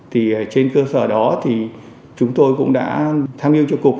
thì trên cơ sở đó thì chúng tôi cũng đã tham hiu cho cục